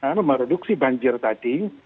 menurunkan reduksi banjir tadi